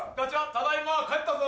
ただいま帰ったぞ。